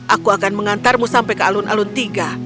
aku akan mengantarmu sampai ke alun alun tiga